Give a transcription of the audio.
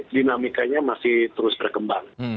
ini kan dinamikanya masih terus berkembang